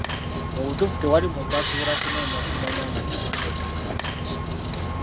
Mu butuufu tewali muntu asobola kunoonya kumanya nga tamanyi okumanya kye ki?